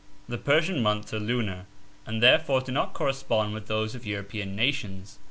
Tb? Persian months are lunar, and therefore do not correspond wit! those of European nations.